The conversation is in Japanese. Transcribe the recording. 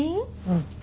うん。